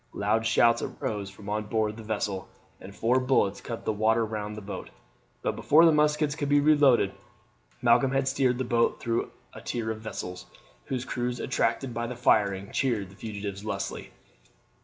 Loud shouts arose from on board the vessel, and four bullets cut the water round the boat; but before the muskets could be reloaded Malcolm had steered the boat through a tier of vessels, whose crews, attracted by the firing, cheered the fugitives lustily.